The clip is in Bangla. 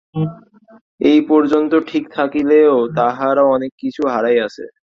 এই পর্যন্ত ঠিক থাকিলেও তাহারা অনেক কিছু হারাইয়াছে।